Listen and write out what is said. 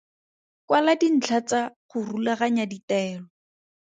Kwala dintlha tsa go rulaganya ditaelo.